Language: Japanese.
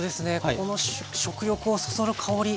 この食欲をそそる香り。